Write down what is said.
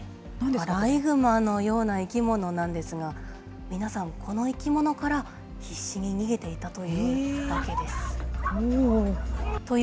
アライグマのような生き物なんですが、皆さん、この生き物から必死に逃げていたというわけです。